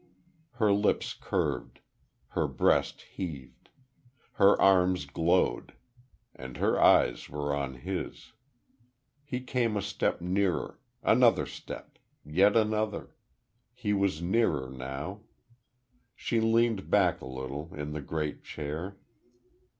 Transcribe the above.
Her lips curved. Her breast heaved. Her arms glowed. And her eyes were on his.... He came a step nearer another step yet another.... He was nearer, now.... She leaned back a little, in the great chair....